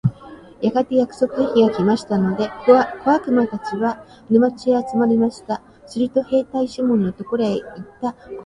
やがて約束の日が来ましたので、小悪魔たちは、沼地へ集まりました。すると兵隊シモンのところへ行った小悪魔が、